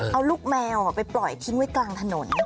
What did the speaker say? เอาลูกแมวไปปล่อยทิ้งไว้กลางถนน